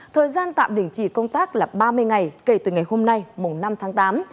thời gian tạm đình chỉ công tác là ba mươi ngày kể từ ngày hôm nay năm tháng tám